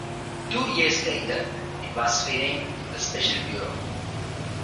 Two years later it was renamed the Special Bureau.